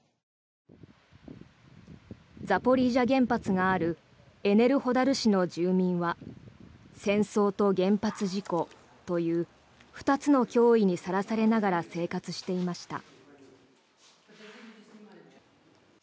ザポリージャ原発があるエネルホダル市の住民は戦争と原発事故という２つの脅威にさらされながら生活していました。